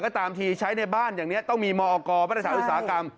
ก็ตามทีใช้ในบ้านอย่างนี้ต้องมีมอกรมาตรฐานอุตสาหกรรม